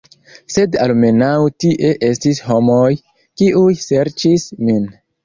Sed almenaŭ tie estis homoj, kiuj serĉis min.